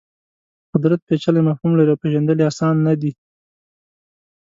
قدرت پېچلی مفهوم لري او پېژندل یې اسان نه دي.